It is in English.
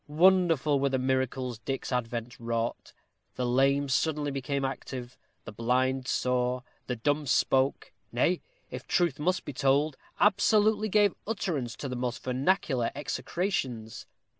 Wonderful were the miracles Dick's advent wrought. The lame became suddenly active, the blind saw, the dumb spoke; nay, if truth must be told, absolutely gave utterance to "most vernacular execrations."